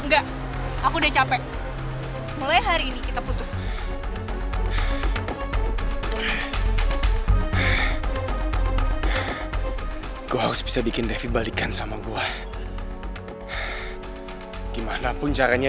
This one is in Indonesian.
gue harus minta bantuan bu dona